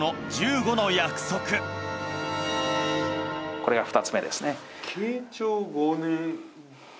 これが２つ目ですね。